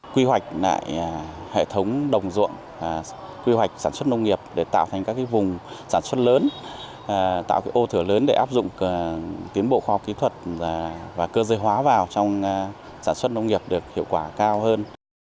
quy hoạch lại hệ thống đồng ruộng quy hoạch sản xuất nông nghiệp để tạo thành các vùng sản xuất lớn tạo ô thửa lớn để áp dụng tiến bộ khoa học kỹ thuật và cơ giới hóa vào trong sản xuất nông nghiệp được hiệu quả cao hơn